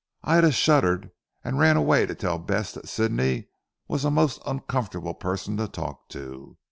Ida shuddered and ran away to tell Bess that Sidney was a most uncomfortable person to talk to.